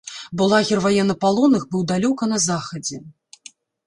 Бо лагер ваеннапалонных быў далёка на захадзе.